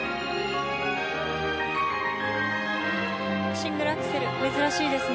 シングルアクセル珍しいですね。